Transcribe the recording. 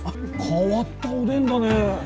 変わったおでんだね。